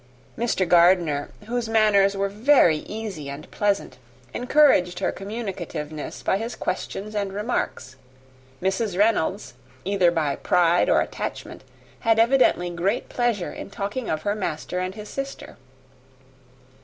Mr. Gardiner, whose manners were easy and pleasant, encouraged her communicativeness by his questions and remarks: Mrs. Reynolds, either from pride or attachment, had evidently great pleasure in talking of her master and his sister.